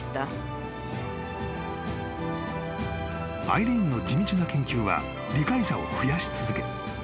［アイリーンの地道な研究は理解者を増やし続け